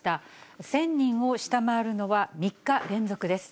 １０００人を下回るのは３日連続です。